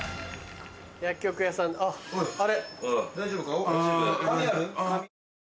薬局屋さんあっあれ？